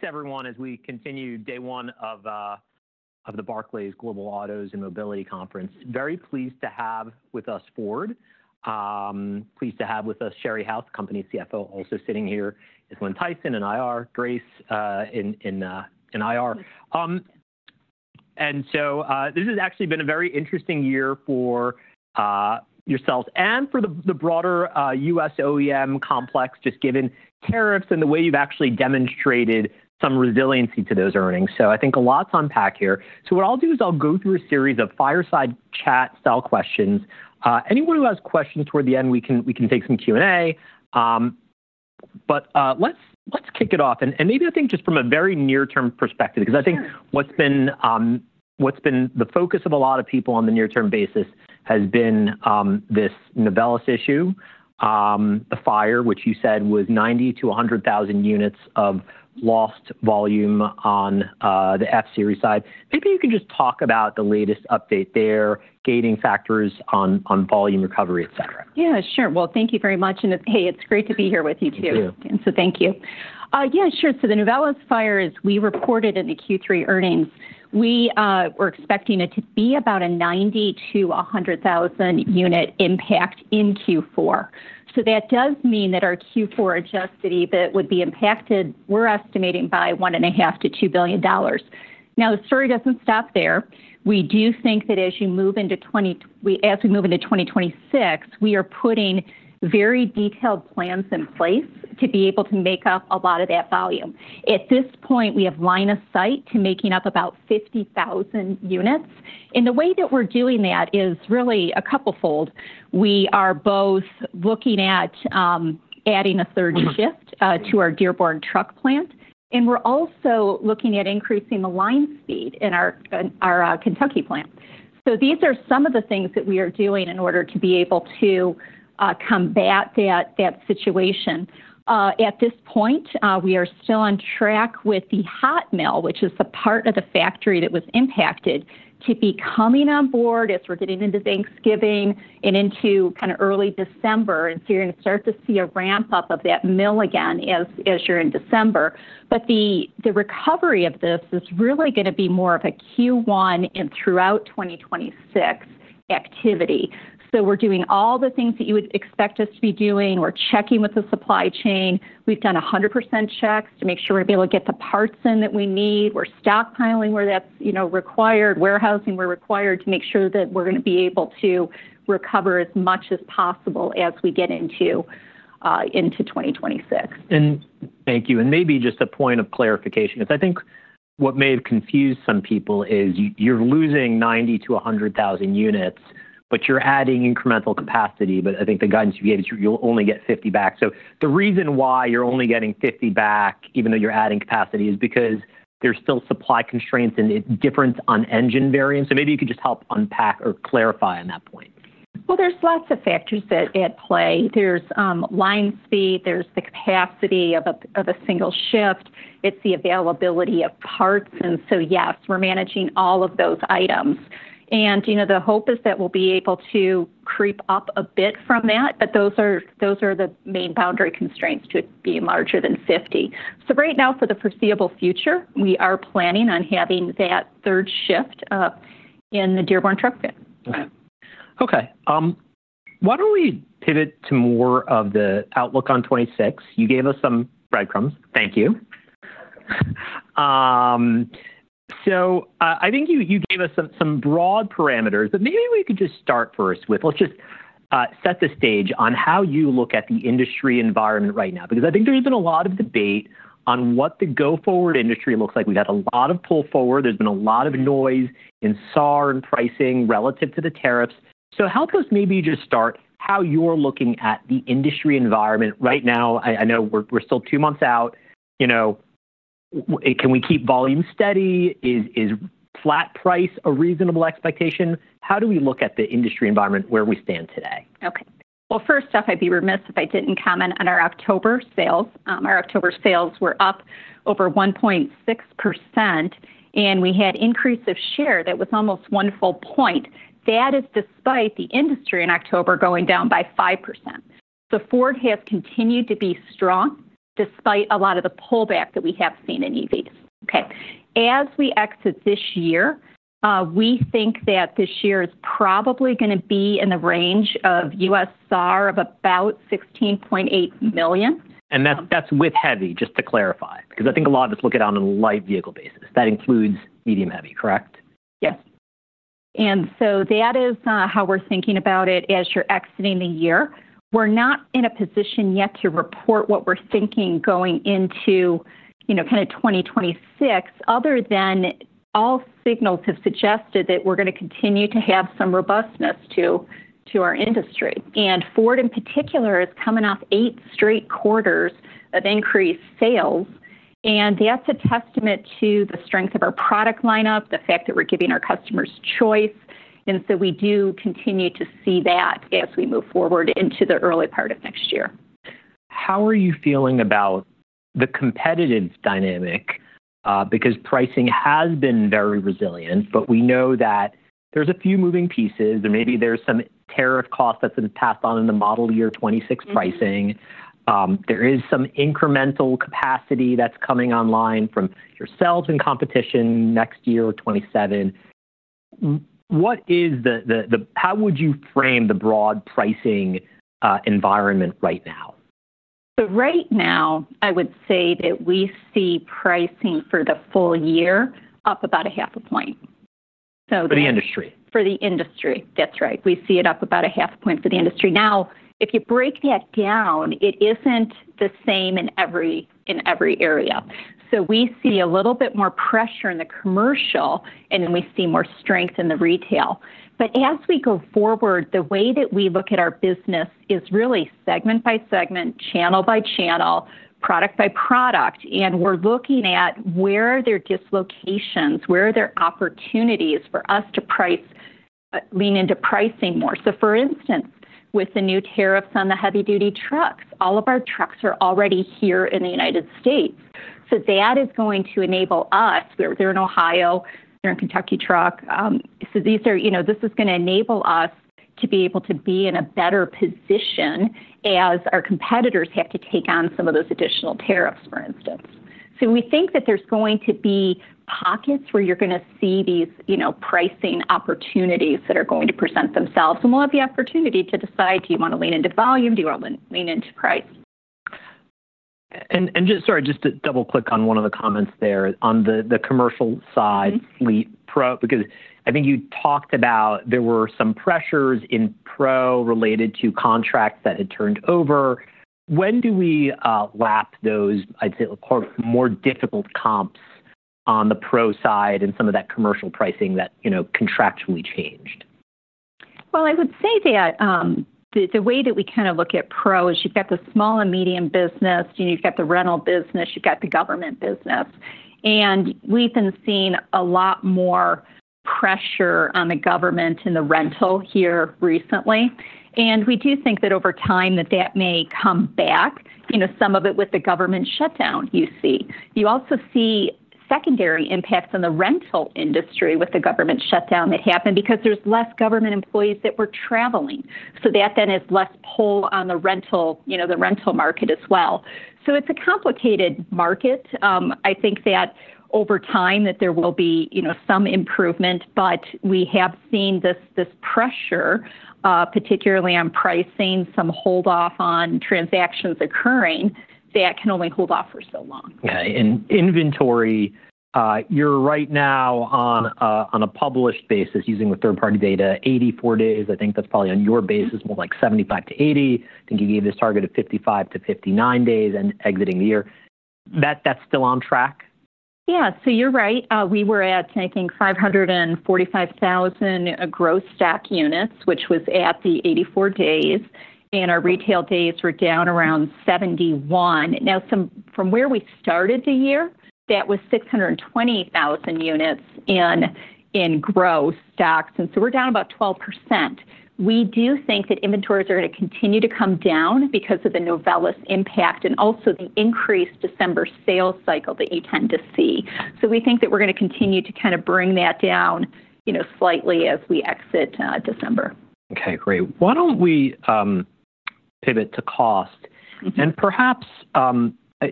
Thanks, everyone, as we continue day one of the Barclays Global Autos and Mobility Conference. Very pleased to have with us Ford, Sherry House, company CFO. Also sitting here is Lynn Tyson in IR, Grace in IR. And so, this has actually been a very interesting year for yourselves and for the broader US OEM complex, just given tariffs and the way you've actually demonstrated some resiliency to those earnings. So I think a lot to unpack here. So what I'll do is I'll go through a series of fireside chat style questions. Anyone who has questions toward the end, we can take some Q&A. But let's kick it off. Maybe I think just from a very near-term perspective, 'cause I think what's been the focus of a lot of people on the near-term basis has been this Novelis issue, the fire, which you said was 90,000-100,000 units of lost volume on the F-Series side. Maybe you can just talk about the latest update there, gating factors on volume recovery, et cetera. Yeah, sure. Well, thank you very much. And hey, it's great to be here with you too. Thank you. Thank you. Yeah, sure. So the Novelis fire, as we reported in the Q3 earnings, we were expecting it to be about a 90,000-100,000 unit impact in Q4. So that does mean that our Q4 Adjusted EBIT would be impacted, we're estimating, by $1.5-$2 billion. Now, the story doesn't stop there. We do think that as you move into 2025, we, as we move into 2026, we are putting very detailed plans in place to be able to make up a lot of that volume. At this point, we have line of sight to making up about 50,000 units. And the way that we're doing that is really a couple-fold. We are both looking at adding a third shift to our Dearborn Truck Plant. And we're also looking at increasing the line speed in our Kentucky Truck Plant. So these are some of the things that we are doing in order to be able to combat that, that situation. At this point, we are still on track with the hot mill, which is the part of the factory that was impacted, to be coming on board as we're getting into Thanksgiving and into kind of early December. And so you're gonna start to see a ramp up of that mill again as, as you're in December. But the, the recovery of this is really gonna be more of a Q1 and throughout 2026 activity. So we're doing all the things that you would expect us to be doing. We're checking with the supply chain. We've done 100% checks to make sure we're able to get the parts in that we need. We're stockpiling where that's, you know, required. Warehousing, we're required to make sure that we're gonna be able to recover as much as possible as we get into 2026. And thank you. And maybe just a point of clarification, 'cause I think what may have confused some people is you, you're losing 90-100,000 units, but you're adding incremental capacity. But I think the guidance you gave is you'll only get 50 back. So the reason why you're only getting 50 back, even though you're adding capacity, is because there's still supply constraints and it's different on engine variants. So maybe you could just help unpack or clarify on that point. There's lots of factors that play. There's line speed. There's the capacity of a single shift. It's the availability of parts. And so yes, we're managing all of those items. And you know, the hope is that we'll be able to creep up a bit from that. But those are the main boundary constraints to be larger than 50. So right now, for the foreseeable future, we are planning on having that third shift in the Dearborn Truck Plant. Okay. Why don't we pivot to more of the outlook on 2026? You gave us some breadcrumbs. Thank you. So, I think you gave us some broad parameters, but maybe we could just start first with, let's just set the stage on how you look at the industry environment right now, because I think there's been a lot of debate on what the go-forward industry looks like. We've had a lot of pull forward. There's been a lot of noise in SAAR and pricing relative to the tariffs. So help us maybe just start how you're looking at the industry environment right now. I know we're still two months out. You know, can we keep volume steady? Is flat price a reasonable expectation? How do we look at the industry environment where we stand today? Okay. Well, first off, I'd be remiss if I didn't comment on our October sales. Our October sales were up over 1.6%, and we had increase of share that was almost one full point. That is despite the industry in October going down by 5%, so Ford has continued to be strong despite a lot of the pullback that we have seen in EVs. Okay. As we exit this year, we think that this year is probably gonna be in the range of U.S. SAAR of about 16.8 million. And that's with heavy, just to clarify, because I think a lot of us look at it on a light vehicle basis. That includes medium heavy, correct? Yes. And so that is how we're thinking about it as you're exiting the year. We're not in a position yet to report what we're thinking going into, you know, kind of 2026, other than all signals have suggested that we're gonna continue to have some robustness to our industry. And Ford, in particular, is coming off eight straight quarters of increased sales. And that's a testament to the strength of our product lineup, the fact that we're giving our customers choice. And so we do continue to see that as we move forward into the early part of next year. How are you feeling about the competitive dynamic, because pricing has been very resilient, but we know that there's a few moving pieces. There may be some tariff cost that's been passed on in the model year 2026 pricing. There is some incremental capacity that's coming online from your sales and competition next year, 2027. What is the how would you frame the broad pricing environment right now? So right now, I would say that we see pricing for the full year up about a half a point. So the. For the industry. For the industry. That's right. We see it up about a half a point for the industry. Now, if you break that down, it isn't the same in every area. So we see a little bit more pressure in the commercial, and then we see more strength in the retail. But as we go forward, the way that we look at our business is really segment by segment, channel by channel, product by product, and we're looking at where are their dislocations, where are their opportunities for us to price, lean into pricing more. So for instance, with the new tariffs on the heavy-duty trucks, all of our trucks are already here in the United States. So that is going to enable us. We're there in Ohio. They're in Kentucky Truck. So these are, you know, this is gonna enable us to be able to be in a better position as our competitors have to take on some of those additional tariffs, for instance. So we think that there's going to be pockets where you're gonna see these, you know, pricing opportunities that are going to present themselves. And we'll have the opportunity to decide, do you wanna lean into volume? Do you wanna lean into price? Just, sorry, just to double-click on one of the comments there on the commercial side, Ford Pro, because I think you talked about there were some pressures in Pro related to contracts that had turned over. When do we lap those, I'd say, more difficult comps on the Pro side and some of that commercial pricing that, you know, contractually changed? I would say that the way that we kind of look at Pro is you've got the small and medium business, you know, you've got the rental business, you've got the government business. We've been seeing a lot more pressure on the government in the rental here recently. We do think that over time that may come back, you know, some of it with the government shutdown you see. You also see secondary impacts on the rental industry with the government shutdown that happened because there's less government employees that were traveling. That then is less pull on the rental, you know, the rental market as well. It's a complicated market. I think that over time that there will be, you know, some improvement, but we have seen this pressure, particularly on pricing, some hold-off on transactions occurring, that can only hold off for so long. Okay. And inventory, you're right now on a published basis using the third-party data, 84 days. I think that's probably on your basis more like 75-80. I think you gave this target of 55-59 days and exiting the year. That, that's still on track? Yeah. So you're right. We were at, I think, 545,000 gross stock units, which was at the 84 days. And our retail days were down around 71. Now, from where we started the year, that was 620,000 units in gross stocks. And so we're down about 12%. We do think that inventories are gonna continue to come down because of the Novelis impact and also the increased December sales cycle that you tend to see. So we think that we're gonna continue to kind of bring that down, you know, slightly as we exit December. Okay. Great. Why don't we pivot to cost? Mm-hmm. Perhaps,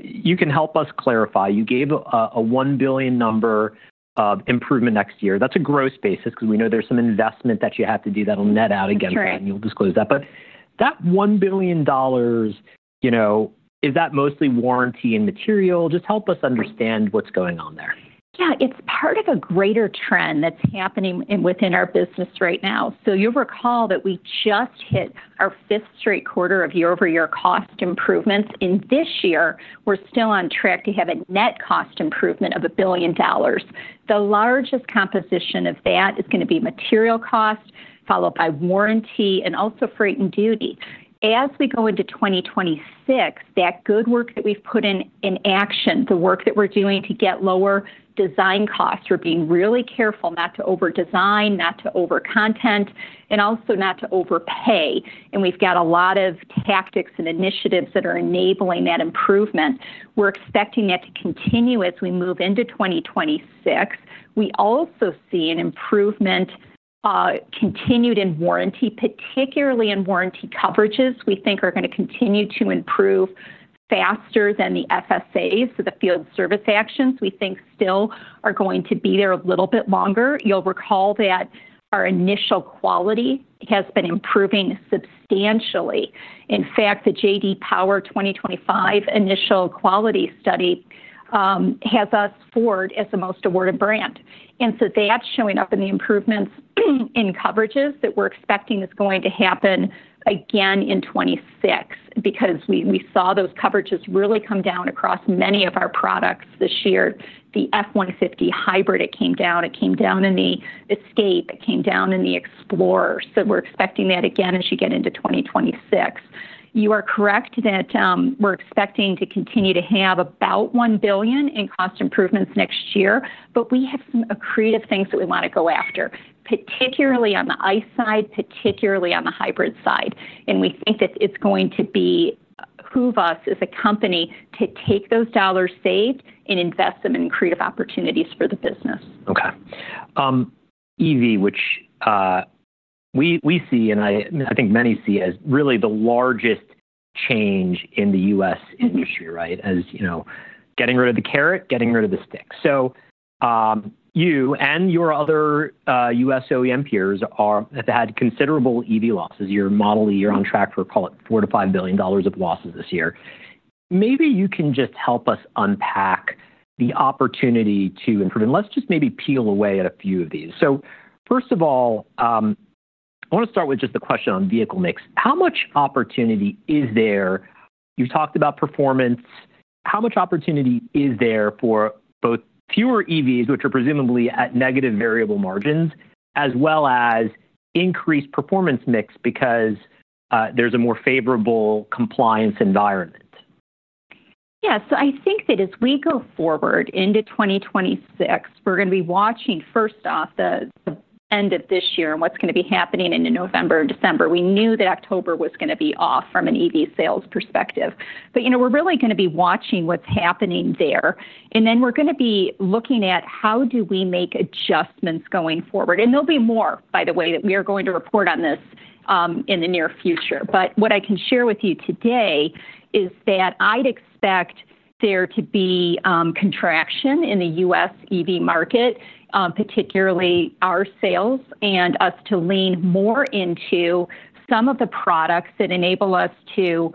you can help us clarify. You gave a $1 billion number of improvement next year. That's a gross basis 'cause we know there's some investment that you have to do that'll net out against that. That's right. You'll disclose that. That $1 billion, you know, is that mostly warranty and material? Just help us understand what's going on there. Yeah. It's part of a greater trend that's happening within our business right now. So you'll recall that we just hit our fifth straight quarter of year-over-year cost improvements. In this year, we're still on track to have a net cost improvement of $1 billion. The largest composition of that is gonna be material cost, followed by warranty and also freight and duty. As we go into 2026, that good work that we've put in, in action, the work that we're doing to get lower design costs, we're being really careful not to over-design, not to over-content, and also not to overpay. And we've got a lot of tactics and initiatives that are enabling that improvement. We're expecting that to continue as we move into 2026. We also see an improvement, continued in warranty, particularly in warranty coverages. We think are gonna continue to improve faster than the FSAs, so the field service actions, we think still are going to be there a little bit longer. You'll recall that our initial quality has been improving substantially. In fact, the J.D. Power 2025 Initial Quality Study has us, Ford, as the most awarded brand. And so that's showing up in the improvements in coverages that we're expecting is going to happen again in 2026 because we saw those coverages really come down across many of our products this year. The F-150 hybrid, it came down. It came down in the Escape. It came down in the Explorer. So we're expecting that again as you get into 2026. You are correct that we're expecting to continue to have about $1 billion in cost improvements next year, but we have some accretive things that we wanna go after, particularly on the ICE side, particularly on the hybrid side, and we think that it's going to behoove us as a company to take those dollars saved and invest them in creative opportunities for the business. Okay. EV, which we see, and I think many see as really the largest change in the U.S. industry, right? Mm-hmm. As you know, getting rid of the carrot, getting rid of the stick. So, you and your other US OEM peers are, have had considerable EV losses. You're modeling, you're on track for, call it, $4-$5 billion of losses this year. Maybe you can just help us unpack the opportunity to improve, and let's just maybe peel away at a few of these. So first of all, I wanna start with just the question on vehicle mix. How much opportunity is there? You've talked about performance. How much opportunity is there for both fewer EVs, which are presumably at negative variable margins, as well as increased performance mix because there's a more favorable compliance environment? Yeah. So I think that as we go forward into 2026, we're gonna be watching, first off, the end of this year and what's gonna be happening into November and December. We knew that October was gonna be off from an EV sales perspective. But, you know, we're really gonna be watching what's happening there. And then we're gonna be looking at how do we make adjustments going forward. And there'll be more, by the way, that we are going to report on this, in the near future. But what I can share with you today is that I'd expect there to be contraction in the U.S. EV market, particularly our sales, and us to lean more into some of the products that enable us to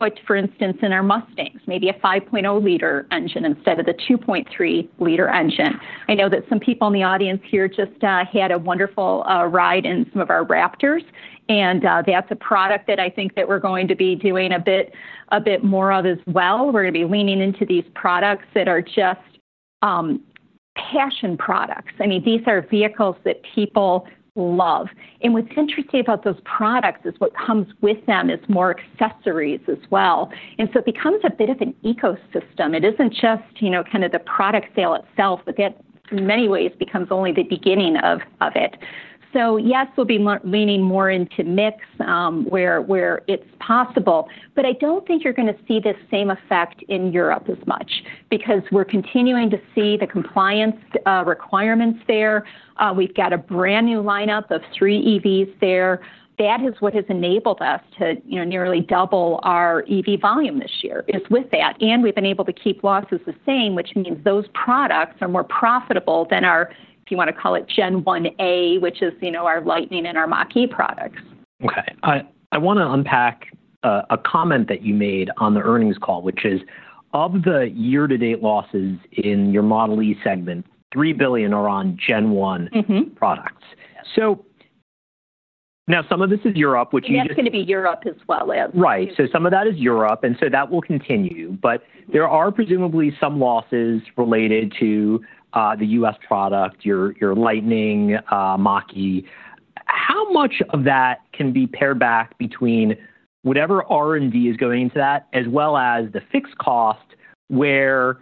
put, for instance, in our Mustangs, maybe a 5.0 L engine instead of the 2.3 L engine. I know that some people in the audience here just had a wonderful ride in some of our Raptors. And that's a product that I think that we're going to be doing a bit, a bit more of as well. We're gonna be leaning into these products that are just passion products. I mean, these are vehicles that people love. And what's interesting about those products is what comes with them is more accessories as well. And so it becomes a bit of an ecosystem. It isn't just you know kind of the product sale itself, but that in many ways becomes only the beginning of, of it. So yes, we'll be leaning more into mix, where, where it's possible. But I don't think you're gonna see the same effect in Europe as much because we're continuing to see the compliance requirements there. We've got a brand new lineup of three EVs there. That is what has enabled us to, you know, nearly double our EV volume this year is with that. And we've been able to keep losses the same, which means those products are more profitable than our, if you wanna call it, Gen 1A, which is, you know, our Lightning and our Mach-E products. Okay. I wanna unpack a comment that you made on the earnings call, which is of the year-to-date losses in your Model e segment, $3 billion are on Gen 1... Mm-hmm. ...products. So now some of this is Europe, which you just. And that's gonna be Europe as well as. Right. So some of that is Europe. And so that will continue. But there are presumably some losses related to the US product, your Lightning, Mach-E. How much of that can be pared back between whatever R&D is going into that as well as the fixed cost where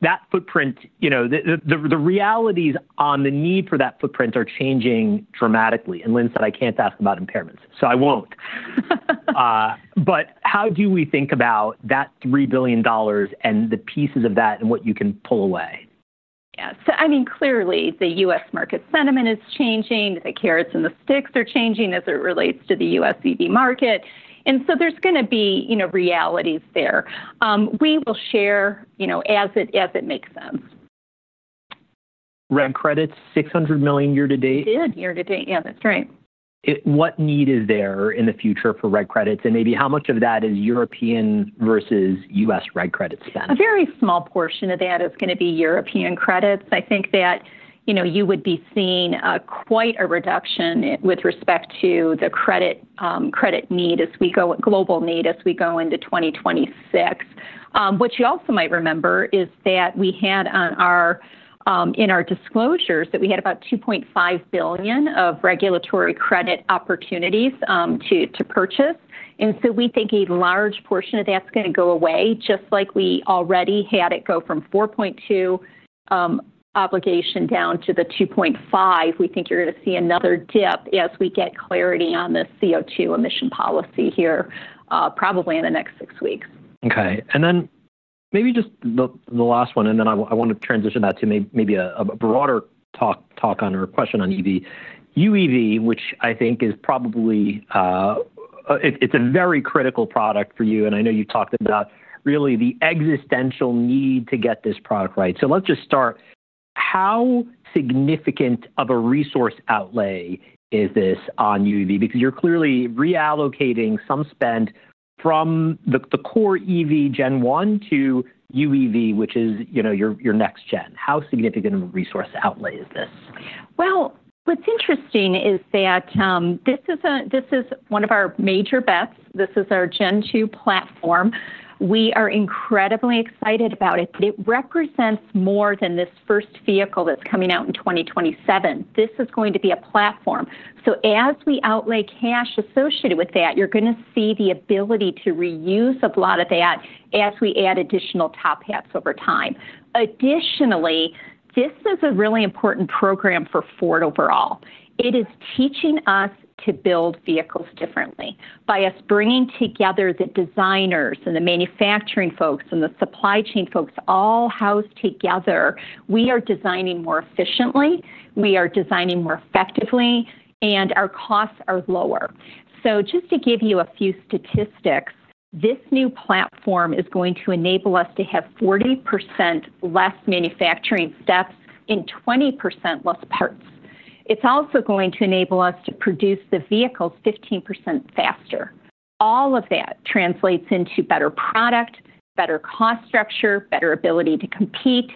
that footprint, you know, the realities on the need for that footprint are changing dramatically? And Lynn said I can't ask about impairments, so I won't. But how do we think about that $3 billion and the pieces of that and what you can pull away? Yeah. So I mean, clearly, the U.S. market sentiment is changing. The carrots and the sticks are changing as it relates to the U.S. EV market. And so there's gonna be, you know, realities there. We will share, you know, as it makes sense. Rent credits, $600 million year-to-date? It did year-to-date. Yeah. That's right. What need is there in the future for regulatory credits? And maybe how much of that is European versus US regulatory credits spent? A very small portion of that is gonna be European credits. I think that, you know, you would be seeing quite a reduction with respect to the credit, credit need as we go global need as we go into 2026. What you also might remember is that we had on our, in our disclosures that we had about $2.5 billion of regulatory credit opportunities to purchase. And so we think a large portion of that's gonna go away. Just like we already had it go from $4.2 billion obligation down to the $2.5 billion, we think you're gonna see another dip as we get clarity on the CO2 emission policy here, probably in the next six weeks. Okay. And then maybe just the last one, and then I wanna transition that to maybe a broader talk on or question on EV. UEV, which I think is probably it's a very critical product for you. And I know you've talked about really the existential need to get this product right. So let's just start. How significant of a resource outlay is this on UEV? Because you're clearly reallocating some spend from the core EV Gen 1 to UEV, which is, you know, your next gen. How significant of a resource outlay is this? What's interesting is that, this is a, this is one of our major bets. This is our Gen 2 platform. We are incredibly excited about it. It represents more than this first vehicle that's coming out in 2027. This is going to be a platform. So as we outlay cash associated with that, you're gonna see the ability to reuse a lot of that as we add additional top hats over time. Additionally, this is a really important program for Ford overall. It is teaching us to build vehicles differently. By us bringing together the designers and the manufacturing folks and the supply chain folks all housed together, we are designing more efficiently. We are designing more effectively, and our costs are lower. So just to give you a few statistics, this new platform is going to enable us to have 40% less manufacturing steps and 20% less parts. It's also going to enable us to produce the vehicles 15% faster. All of that translates into better product, better cost structure, better ability to compete,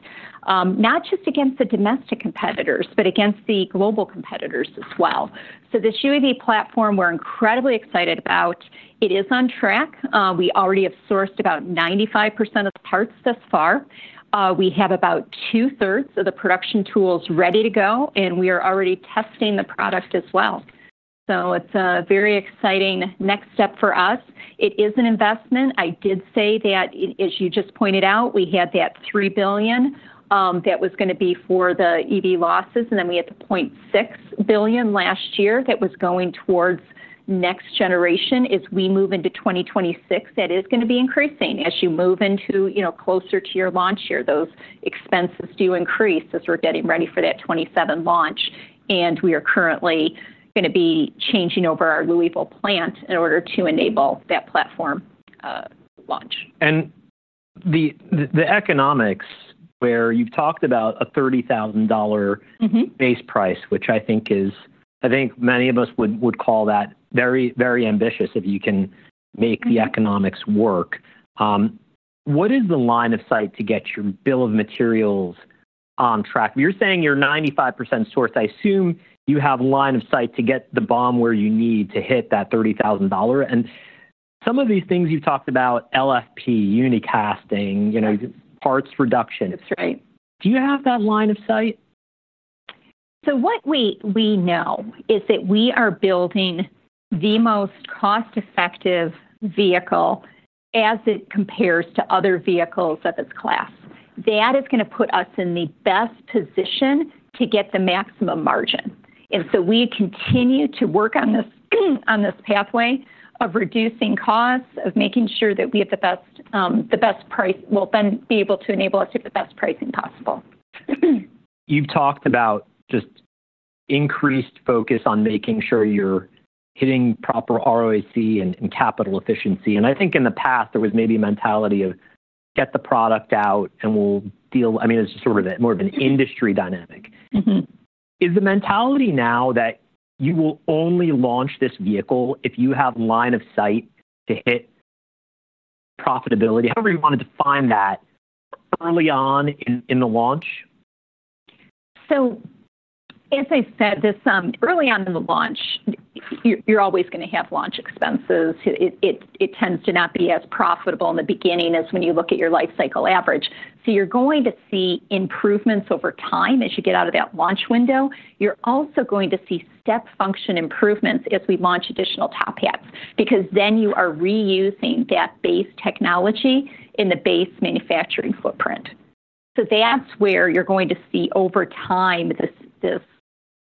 not just against the domestic competitors, but against the global competitors as well. So this UEV platform, we're incredibly excited about. It is on track. We already have sourced about 95% of the parts thus far. We have about two-thirds of the production tools ready to go, and we are already testing the product as well. So it's a very exciting next step for us. It is an investment. I did say that, as you just pointed out, we had that $3 billion, that was gonna be for the EV losses. And then we had the $0.6 billion last year that was going towards next generation. As we move into 2026, that is gonna be increasing. As you move into, you know, closer to your launch year, those expenses do increase as we're getting ready for that 2027 launch, and we are currently gonna be changing over our Louisville plant in order to enable that platform, launch. And the economics where you've talked about a $30,000 base price, which I think many of us would call that very, very ambitious if you can make the economics work. What is the line of sight to get your bill of materials on track? You're saying you're 95% sourced. I assume you have a line of sight to get the BOM where you need to hit that $30,000. And some of these things you've talked about, LFP, Unicasting, you know, parts reduction. That's right. Do you have that line of sight? What we know is that we are building the most cost-effective vehicle as it compares to other vehicles of its class. That is gonna put us in the best position to get the maximum margin. We continue to work on this pathway of reducing costs, of making sure that we have the best price. We'll then be able to enable us to get the best pricing possible. You've talked about just increased focus on making sure you're hitting proper ROIC and capital efficiency. I think in the past there was maybe a mentality of get the product out and we'll deal. I mean, it's sort of more of an industry dynamic. Mm-hmm. Is the mentality now that you will only launch this vehicle if you have a line of sight to hit profitability, however you wanna define that early on in the launch? So as I said, early on in the launch, you're always gonna have launch expenses. It tends to not be as profitable in the beginning as when you look at your life cycle average. So you're going to see improvements over time as you get out of that launch window. You're also going to see step function improvements as we launch additional top hats because then you are reusing that base technology in the base manufacturing footprint. So that's where you're going to see over time this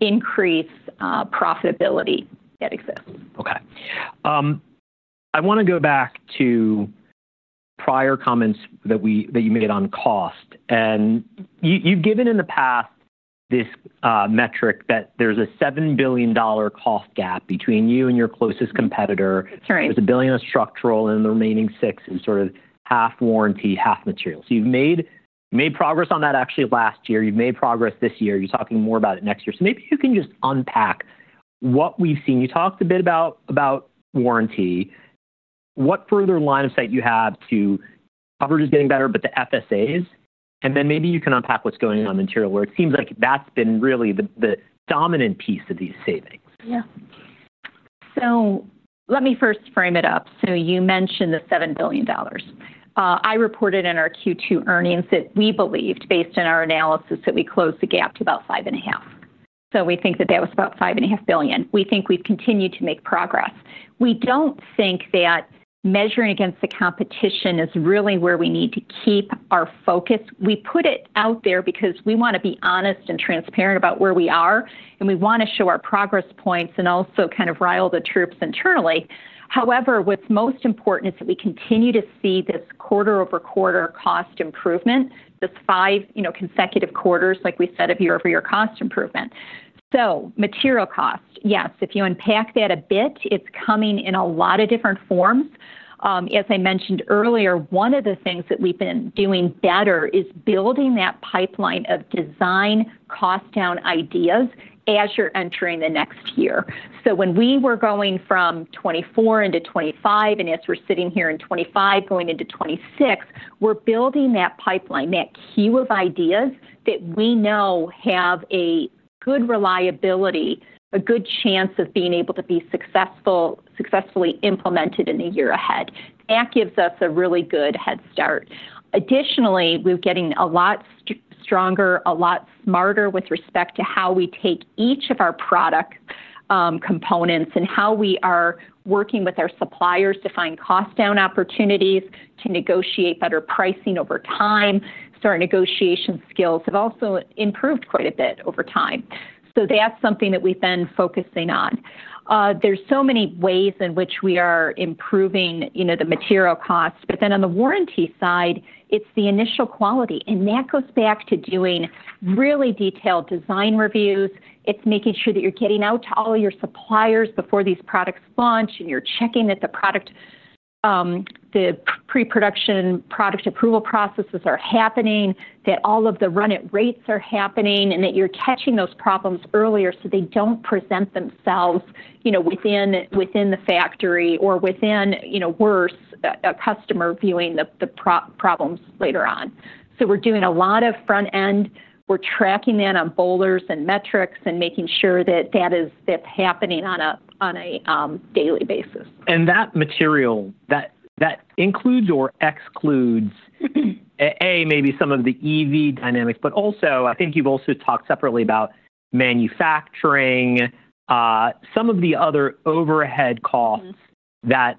increase profitability that exists. Okay. I wanna go back to prior comments that you made on cost. You've given in the past this metric that there's a $7 billion cost gap between you and your closest competitor. That's right. There's $1 billion on structural and the remaining $6 billion is sort of half warranty, half materials. You've made progress on that actually last year. You've made progress this year. You're talking more about it next year. So maybe you can just unpack what we've seen. You talked a bit about warranty. What further line of sight you have to coverage is getting better, but the FSAs? And then maybe you can unpack what's going on on material where it seems like that's been really the dominant piece of these savings. Yeah. So let me first frame it up. So you mentioned the $7 billion. I reported in our Q2 earnings that we believed, based on our analysis, that we closed the gap to about $5.5 billion. So we think that that was about $5.5 billion. We think we've continued to make progress. We don't think that measuring against the competition is really where we need to keep our focus. We put it out there because we wanna be honest and transparent about where we are, and we wanna show our progress points and also kind of rile the troops internally. However, what's most important is that we continue to see this quarter-over-quarter cost improvement, this five, you know, consecutive quarters, like we said, of year-over-year cost improvement. So material cost, yes, if you unpack that a bit, it's coming in a lot of different forms. As I mentioned earlier, one of the things that we've been doing better is building that pipeline of design, cost-down ideas as you're entering the next year. So when we were going from 2024 into 2025, and as we're sitting here in 2025 going into 2026, we're building that pipeline, that queue of ideas that we know have a good reliability, a good chance of being able to be successful, successfully implemented in the year ahead. That gives us a really good head start. Additionally, we're getting a lot stronger, a lot smarter with respect to how we take each of our product, components and how we are working with our suppliers to find cost-down opportunities, to negotiate better pricing over time. So our negotiation skills have also improved quite a bit over time. So that's something that we've been focusing on. There's so many ways in which we are improving, you know, the material costs. But then on the warranty side, it's the initial quality. And that goes back to doing really detailed design reviews. It's making sure that you're getting out to all your suppliers before these products launch and you're checking that the product, the pre-production product approval processes are happening, that all of the run-at rates are happening, and that you're catching those problems earlier so they don't present themselves, you know, within the factory or within, you know, worse, a customer viewing the problems later on. So we're doing a lot of front-end. We're tracking that on balanced scorecards and metrics and making sure that that's happening on a daily basis. That material, that includes or excludes maybe some of the EV dynamics, but also I think you've also talked separately about manufacturing, some of the other overhead costs that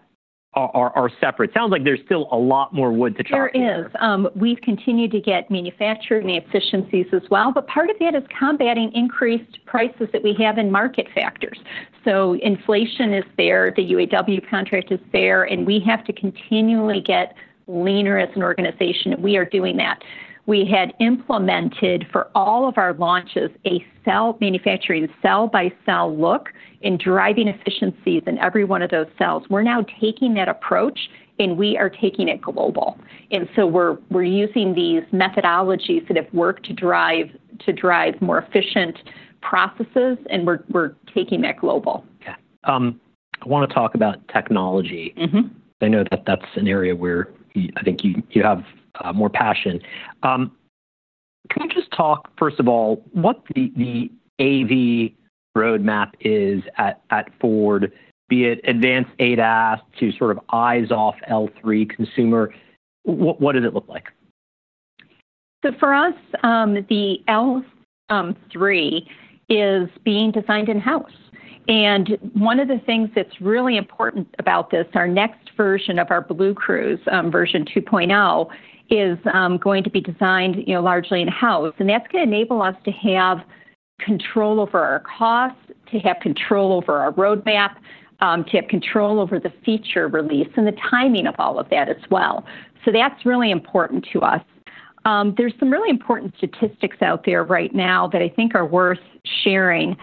are separate. Sounds like there's still a lot more wood to chop. There is. We've continued to get manufacturing efficiencies as well. But part of that is combating increased prices that we have in market factors. So inflation is there. The UAW contract is there. And we have to continually get leaner as an organization. We are doing that. We had implemented for all of our launches a cell manufacturing, cell-by-cell look in driving efficiencies in every one of those cells. We're now taking that approach, and we are taking it global. And so we're using these methodologies that have worked to drive more efficient processes, and we're taking that global. Okay. I wanna talk about technology. Mm-hmm. I know that that's an area where you, I think, have more passion. Can you just talk, first of all, what the AV roadmap is at Ford, be it advanced ADAS to sort of eyes-off L3 consumer? What does it look like? For us, the L3 is being designed in-house. One of the things that's really important about this, our next version of our BlueCruise, version 2.0 is going to be designed, you know, largely in-house. That's gonna enable us to have control over our costs, to have control over our roadmap, to have control over the feature release and the timing of all of that as well. That's really important to us. There's some really important statistics out there right now that I think are worth sharing.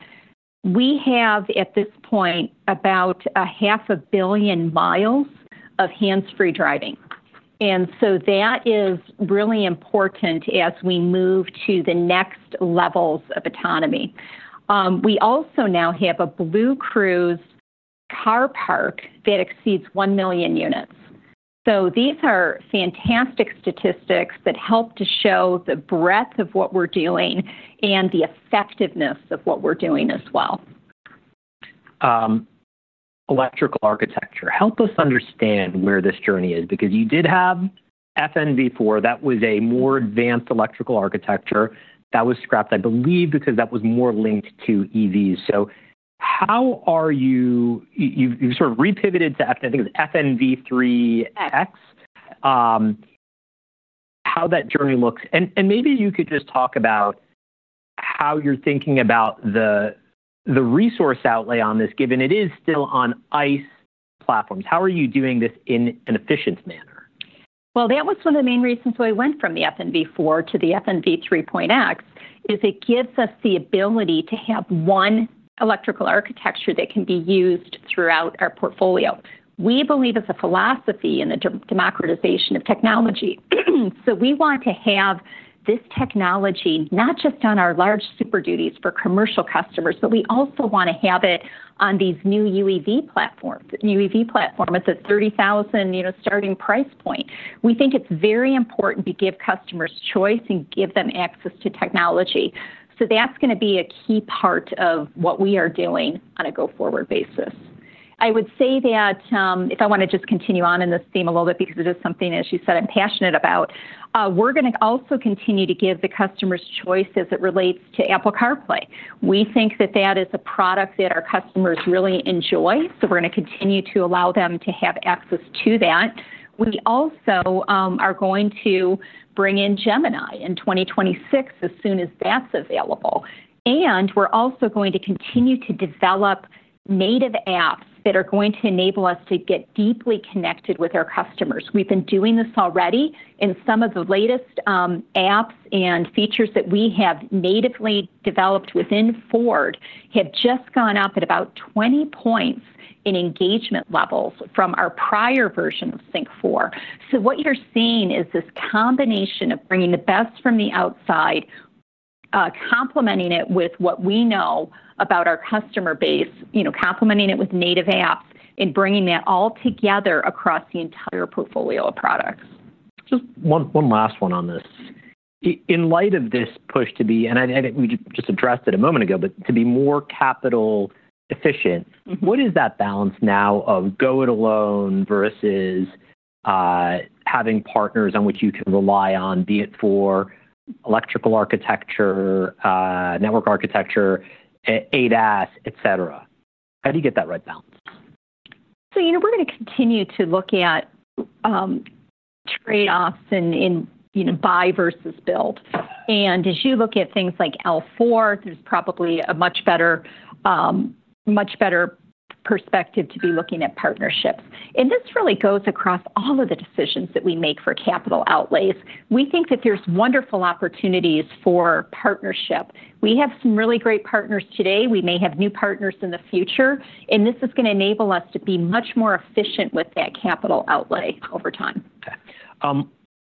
We have at this point about 500 million miles of hands-free driving. That is really important as we move to the next levels of autonomy. We also now have a BlueCruise car park that exceeds 1 million units. These are fantastic statistics that help to show the breadth of what we're doing and the effectiveness of what we're doing as well. Electrical architecture. Help us understand where this journey is because you did have FNV4. That was a more advanced electrical architecture that was scrapped, I believe, because that was more linked to EVs. So how are you, you've sort of repivoted to FNV3.X. How that journey looks? And maybe you could just talk about how you're thinking about the resource outlay on this, given it is still on ICE platforms. How are you doing this in an efficient manner? That was one of the main reasons why we went from the FNV4 to the FNV3.X, as it gives us the ability to have one electrical architecture that can be used throughout our portfolio. We believe it's a philosophy in the democratization of technology. We want to have this technology not just on our large Super Duty for commercial customers, but we also wanna have it on these new UEV platforms. UEV platform at the $30,000, you know, starting price point. We think it's very important to give customers choice and give them access to technology. That's gonna be a key part of what we are doing on a go-forward basis. I would say that, if I wanna just continue on in this theme a little bit because it is something, as you said, I'm passionate about. We're gonna also continue to give the customers choice as it relates to Apple CarPlay. We think that that is a product that our customers really enjoy. So we're gonna continue to allow them to have access to that. We also are going to bring in Gemini in 2026 as soon as that's available. And we're also going to continue to develop native apps that are going to enable us to get deeply connected with our customers. We've been doing this already. And some of the latest apps and features that we have natively developed within Ford have just gone up at about 20 points in engagement levels from our prior version of SYNC 4. So what you're seeing is this combination of bringing the best from the outside, complementing it with what we know about our customer base, you know, complementing it with native apps and bringing that all together across the entire portfolio of products. Just one last one on this. In light of this push to be, and I think we just addressed it a moment ago, but to be more capital efficient. Mm-hmm. What is that balance now of go it alone versus having partners on which you can rely on, be it for electrical architecture, network architecture, ADAS, etc.? How do you get that right balance? So, you know, we're gonna continue to look at trade-offs and, you know, buy versus build. And as you look at things like L4, there's probably a much better perspective to be looking at partnerships. And this really goes across all of the decisions that we make for capital outlays. We think that there's wonderful opportunities for partnership. We have some really great partners today. We may have new partners in the future. And this is gonna enable us to be much more efficient with that capital outlay over time. Okay.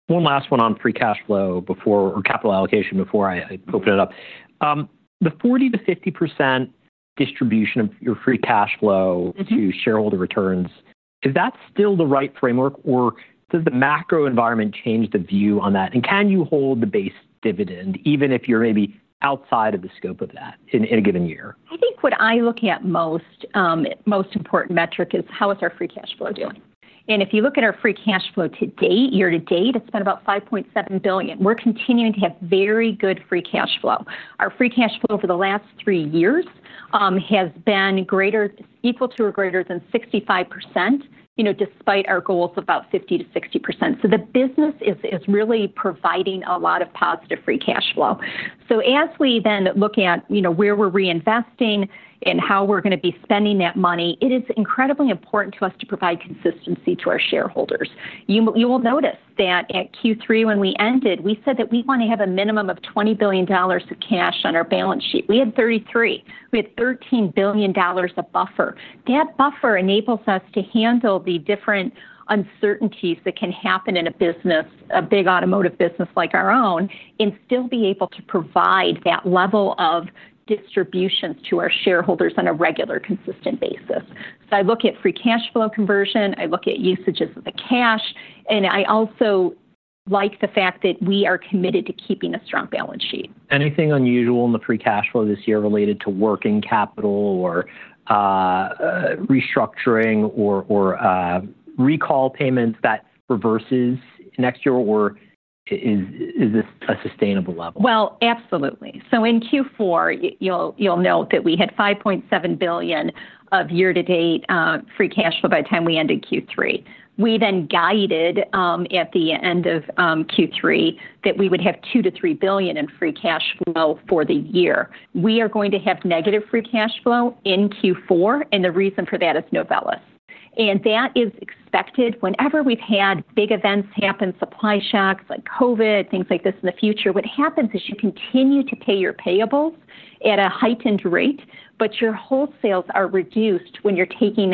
One last one on free cash flow before capital allocation before I open it up. The 40%-50% distribution of your free cash flow to shareholder returns, is that still the right framework or does the macro environment change the view on that? And can you hold the base dividend even if you're maybe outside of the scope of that in a given year? I think what I look at most important metric is how is our free cash flow doing? And if you look at our free cash flow to date, year to date, it's been about $5.7 billion. We're continuing to have very good free cash flow. Our free cash flow over the last three years has been greater equal to or greater than 65%, you know, despite our goal of about 50%-60%. So the business is really providing a lot of positive free cash flow. So as we then look at, you know, where we're reinvesting and how we're gonna be spending that money, it is incredibly important to us to provide consistency to our shareholders. You will notice that at Q3 when we ended, we said that we wanna have a minimum of $20 billion of cash on our balance sheet. We had 33. We had $13 billion of buffer. That buffer enables us to handle the different uncertainties that can happen in a business, a big automotive business like our own, and still be able to provide that level of distributions to our shareholders on a regular, consistent basis. So I look at free cash flow conversion. I look at usages of the cash. And I also like the fact that we are committed to keeping a strong balance sheet. Anything unusual in the free cash flow this year related to working capital or restructuring or recall payments that reverses next year or is this a sustainable level? Absolutely. So in Q4, you'll note that we had $5.7 billion of year-to-date free cash flow by the time we ended Q3. We then guided at the end of Q3 that we would have $2-$3 billion in free cash flow for the year. We are going to have negative free cash flow in Q4. And the reason for that is Novelis. And that is expected whenever we've had big events happen, supply shocks like COVID, things like this in the future. What happens is you continue to pay your payables at a heightened rate, but your wholesales are reduced when you're taking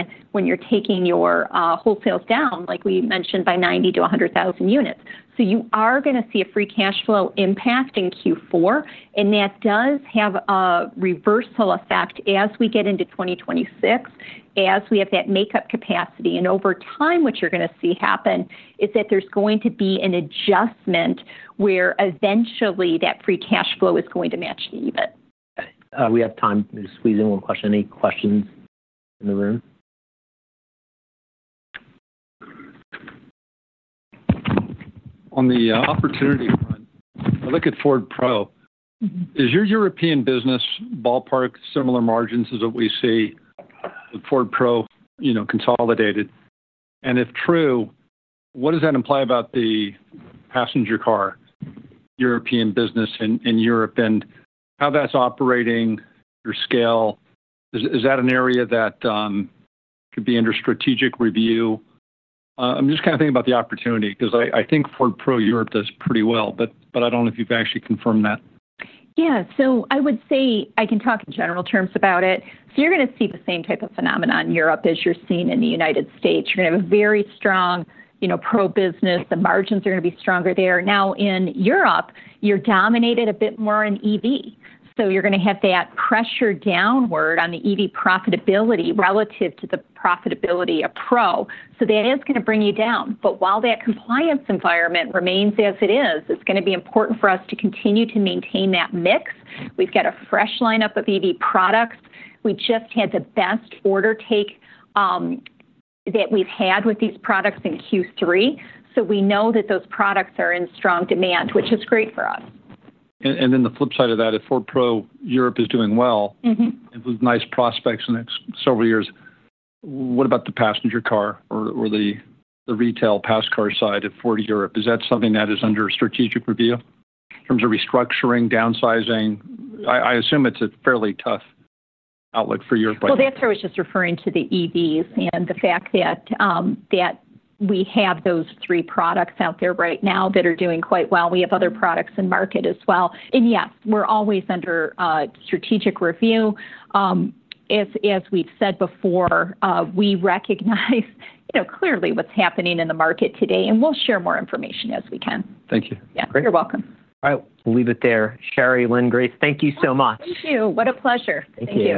your wholesales down, like we mentioned, by 90-100,000 units. So you are gonna see a free cash flow impact in Q4. And that does have a reversal effect as we get into 2026, as we have that makeup capacity. And over time, what you're gonna see happen is that there's going to be an adjustment where eventually that free cash flow is going to match the even. Okay. We have time to squeeze in one question. Any questions in the room? On the opportunity front, I look at Ford Pro. Mm-hmm. Is your European business ballpark similar margins as what we see with Ford Pro, you know, consolidated? And if true, what does that imply about the passenger car European business in Europe and how that's operating, your scale? Is that an area that could be under strategic review? I'm just kinda thinking about the opportunity 'cause I think Ford Pro Europe does pretty well, but I don't know if you've actually confirmed that. Yeah. So I would say I can talk in general terms about it. So you're gonna see the same type of phenomenon in Europe as you're seeing in the United States. You're gonna have a very strong, you know, pro business. The margins are gonna be stronger there. Now in Europe, you're dominated a bit more in EV. So you're gonna have that pressure downward on the EV profitability relative to the profitability of Pro. So that is gonna bring you down. But while that compliance environment remains as it is, it's gonna be important for us to continue to maintain that mix. We've got a fresh lineup of EV products. We just had the best order take, that we've had with these products in Q3. So we know that those products are in strong demand, which is great for us. The flip side of that is Ford Pro Europe is doing well. Mm-hmm. With nice prospects in the next several years. What about the passenger car or the retail pass car side of Ford Europe? Is that something that is under strategic review in terms of restructuring, downsizing? I assume it's a fairly tough outlook for Europe. The answer was just referring to the EVs and the fact that we have those three products out there right now that are doing quite well. We have other products in market as well. And yes, we're always under strategic review. As we've said before, we recognize, you know, clearly what's happening in the market today. And we'll share more information as we can. Thank you. Yeah. Great. You're welcome. All right. We'll leave it there. Sherry, Lynn, Grace, thank you so much. Thank you. What a pleasure. Thank you.